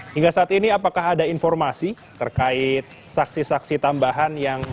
hingga saat ini apakah ada informasi terkait saksi saksi tambahan yang